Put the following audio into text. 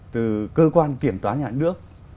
từ cơ quan kiểm toán nhà nước